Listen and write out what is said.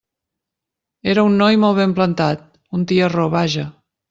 Era un noi molt ben plantat, un tiarró, vaja.